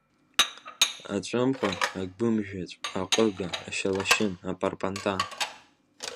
Аҵәымҟа, агәымжьаҵә, аҟыга, ашьалашьын, апарпанта…